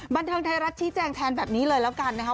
บันเทิงไทยรัฐชี้แจงแทนแบบนี้เลยแล้วกันนะคะ